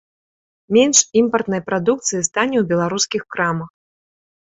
Менш імпартнай прадукцыі стане ў беларускіх крамах.